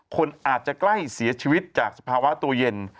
คนอาจจะใกล้เสียชีวิตจากสภาวะตัวเย็น